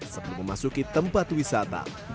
sebelum memasuki tempat wisata